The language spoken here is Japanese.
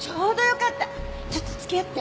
ちょっと付き合って。